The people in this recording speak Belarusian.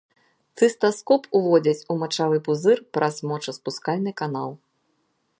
Цыстаскоп уводзяць у мачавы пузыр праз мочаспускальны канал.